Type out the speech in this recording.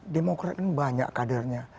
demokrat ini banyak kadernya